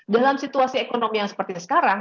dalam situasi ekonomi yang seperti sekarang